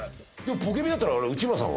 ポケビだったら内村さんは？